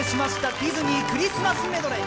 ディズニークリスマスメドレー。